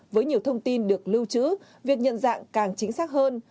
với nhiều thông tin được lưu trữ việc nhận dạng càng chính xác hơn